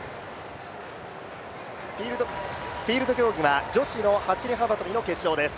フィールド競技は女子の走り幅跳び決勝です。